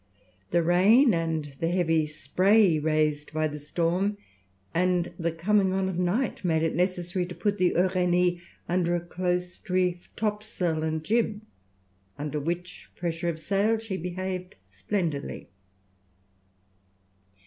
The rain and the heavy spray raised by the storm, and the coming on of night, made it necessary to put the Uranie under a close reefed topsail and jib, under which pressure of sail she behaved splendidly.